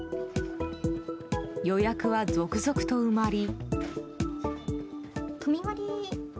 予約は続々と埋まり。